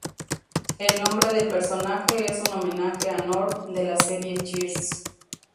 El nombre del personaje es un homenaje a Norm de la serie "Cheers".